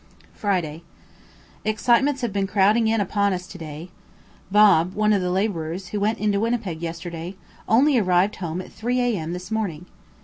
Friday. Excitements have been crowding in upon us to day. Bob, one of the labourers, who went into Winnipeg yesterday, only arrived home at 3 A.M. this morning.